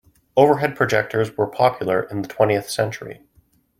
Overhead projectors were popular in the twentieth century.